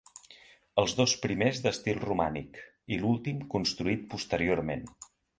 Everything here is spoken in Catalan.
Els dos primers d'estil romànic, i l'últim construït posteriorment.